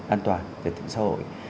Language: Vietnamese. an toàn cho tựa xã hội